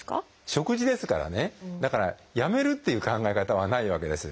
食事ですからねだからやめるっていう考え方はないわけです。